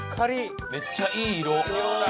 めっちゃいい色。